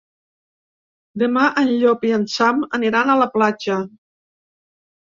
Demà en Llop i en Sam aniran a la platja.